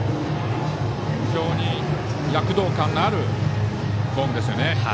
非常に躍動感のあるフォームですね。